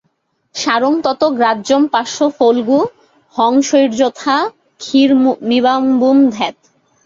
সারং ততো গ্রাহ্যমপাস্য ফল্গু হংসৈর্যথা ক্ষীরমিবাম্বুমধ্যাৎ।